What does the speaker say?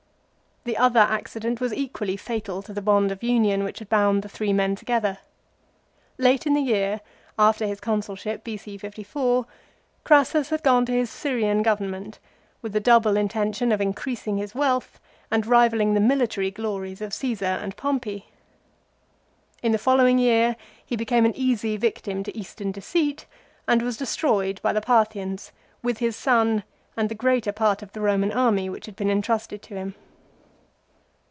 The other accident was equally fatal to the bond of union which had bound the three men together. Late in the year, after his Consulship, B.C. 54, Crassus had gone to his Syrian government with the double intention of increasing his wealth and rivalling the military glories of Caesar and Pompey. In the following year he became an easy victim to eastern deceit, and was destroyed by the Parthians with his son and the greater part of the Eoman army which had been entrusted to him.